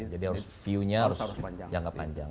jadi harus view nya harus jangka panjang